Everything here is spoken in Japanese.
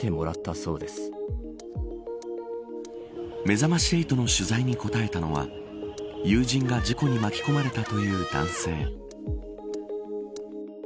めざまし８の取材に答えたのは友人が事故に巻き込まれたという男性。